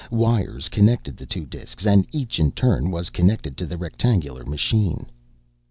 Wires connected the two disks and each in turn was connected to the rectangular machine.